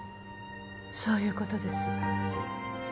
そういうことです